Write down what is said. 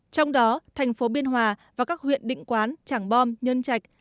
trong đó thành phố biên hòa và các huyện định quán tràng bom nhân trạch